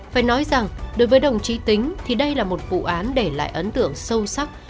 phải nói rằng đối với đồng chí tính thì đây là một vụ án để lại ấn tượng sâu sắc